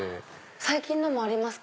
最近のもありますか？